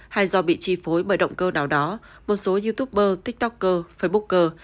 hay do bị chi phối bởi động cơ nào đó một số youtuber tiktoker facebooker